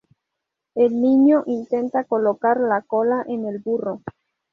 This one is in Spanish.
El niño intenta colocar la cola en el burro.